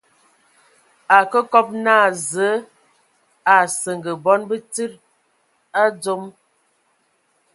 Akǝ kɔb naa Zǝǝ a seŋe bɔn tsíd a dzom.